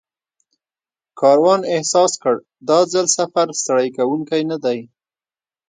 کاروان احساس کړ دا ځل سفر ستړی کوونکی نه دی.